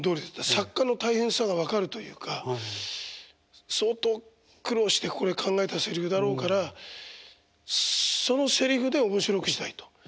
作家の大変さが分かるというか相当苦労してこれ考えたせりふだろうからそのせりふで面白くしたいと。